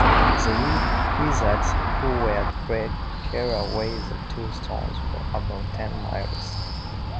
The wizards who were bled carry away the two stones for about ten miles.